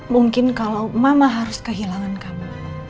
mungkin kalau mama harus kehilangan kamu